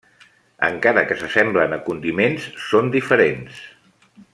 Encara que s'assemblen a condiments, són diferents.